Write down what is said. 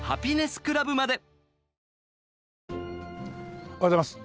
おはようございます。